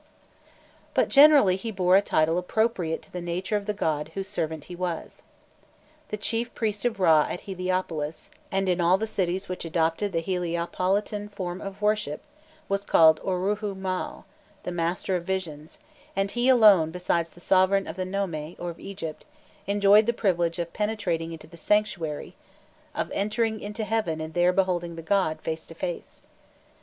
But generally he bore a title appropriate to the nature of the god whose servant he was. The chief priest of Râ at Heliopolis, and in all the cities which adopted the Heliopolitan form of worship, was called Oîrû maû, the master of visions, and he alone besides the sovereign of the nome, or of Egypt, enjoyed the privilege of penetrating into the sanctuary, of "entering into heaven and there beholding the god" face to face.